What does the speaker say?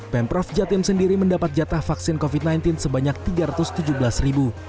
pemprov jatim sendiri mendapat jatah vaksin covid sembilan belas sebanyak tiga ratus tujuh belas ribu